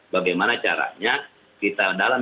bagaimana caranya kita dalam